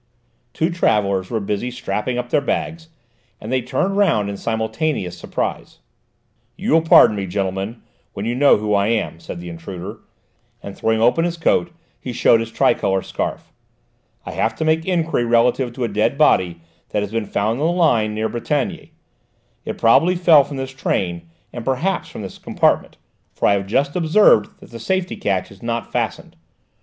Two travellers were busy strapping up their bags, and they turned round in simultaneous surprise. "You will pardon me, gentlemen, when you know who I am," said the intruder, and throwing open his coat he showed his tricolour scarf. "I have to make enquiry relative to a dead body that has been found on the line near Brétigny; it probably fell from this train, and perhaps from this compartment, for I have just observed that the safety catch is not fastened.